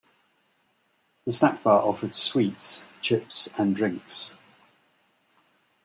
The snack bar offers sweets, chips and drinks.